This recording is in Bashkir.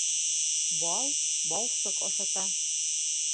Бал балсыҡ ашата